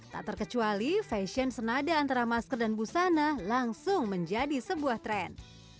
tak terkecuali fashion senada antara masker dan busana langsung menjadi sebuah tren